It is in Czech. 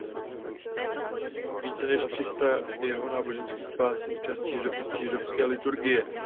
Více než tři sta jeho náboženských básní se stalo součástí židovské liturgie.